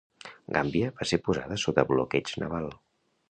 Gàmbia va ser posada sota bloqueig naval.